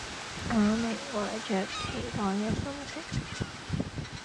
阿明懷著期待嘅心情